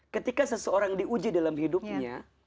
ketika seseorang diuji dalam hidupnya